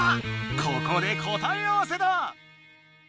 ここでこたえあわせだ！